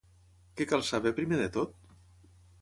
Què cal saber primer de tot?